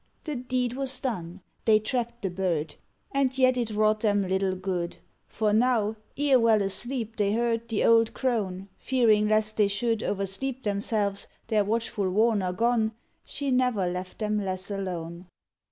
The deed was done: they trapped the bird. And yet it wrought them little good; For now, ere well asleep, they heard The old crone, fearing lest they should O'ersleep themselves, their watchful warner gone; She never left them less alone.